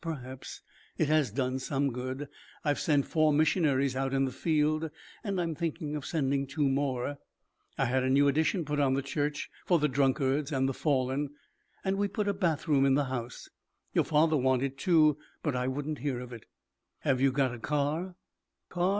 Perhaps. It has done some good. I've sent four missionaries out in the field and I am thinking of sending two more. I had a new addition put on the church, for the drunkards and the fallen. And we put a bathroom in the house. Your father wanted two, but I wouldn't hear of it." "Have you got a car?" "Car?